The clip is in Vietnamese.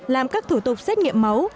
làm các thủ tục xét nghiệm máu